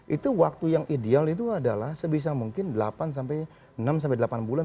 itu waktu yang ideal itu adalah sebisa mungkin delapan enam sampai delapan bulan